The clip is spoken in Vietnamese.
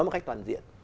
một cách toàn diện